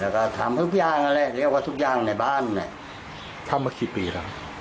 แล้วก็ทำทุกอย่างเรียกว่าทุกอย่างในบ้านเนี่ย